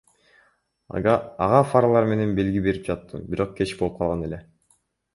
Ага фаралар менен белги берип жатттым, бирок кеч болуп калган эле.